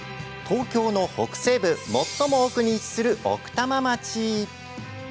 東京の北西部、最も奥に位置する奥多摩町。